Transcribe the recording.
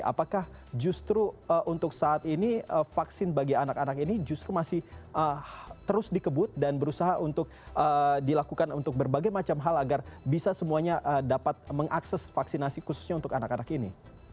apakah justru untuk saat ini vaksin bagi anak anak ini justru masih terus dikebut dan berusaha untuk dilakukan untuk berbagai macam hal agar bisa semuanya dapat mengakses vaksinasi khususnya untuk anak anak ini